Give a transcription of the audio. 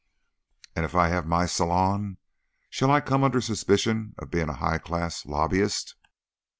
"And if I have my salon, shall I come under suspicion of being a high class lobbyist?"